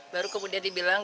baru kemudian dibilang